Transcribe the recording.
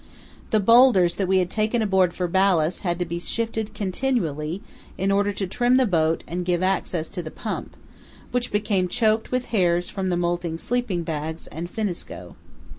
The boulders that we had taken aboard for ballast had to be shifted continually in order to trim the boat and give access to the pump, which became choked with hairs from the moulting sleeping bags and finneskoe.